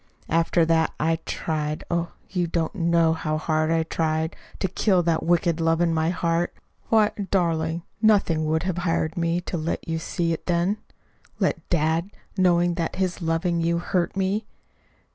After that I tried oh, you don't know how hard I tried to kill that wicked love in my heart. Why, darling, nothing would have hired me to let you see it then. Let dad know that his loving you hurt me?